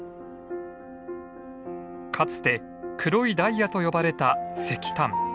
かつて黒いダイヤと呼ばれた石炭。